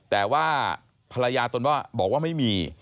แต่ว่าภรรยาตนว่าบอกว่าไม่มี